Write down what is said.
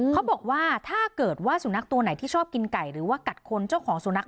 เขาบอกว่าถ้าเกิดว่าสุนัขตัวไหนที่ชอบกินไก่หรือว่ากัดคนเจ้าของสุนัข